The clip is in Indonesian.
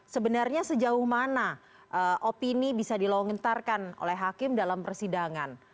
sebenarnya sejauh mana opini bisa dilonggentarkan oleh hakim dalam persidangan